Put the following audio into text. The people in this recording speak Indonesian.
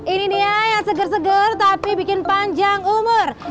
ini dia yang seger seger tapi bikin panjang umur